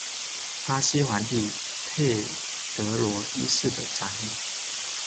巴西皇帝佩德罗一世的长女。